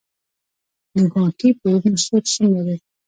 د بانکي پورونو سود څومره دی؟